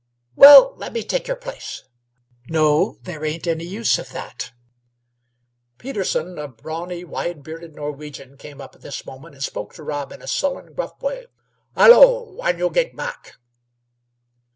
"Well, let me take your place." "No; there ain't any use o' that." Peterson, a brawny, wide bearded Norwegian, came up at this moment, and spoke to Rob in a sullen, gruff way. "Hallo, when yo' gaet back?"